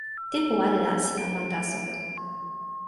tenpo ala la sina wan taso.